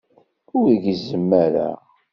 Ur gezzem ara.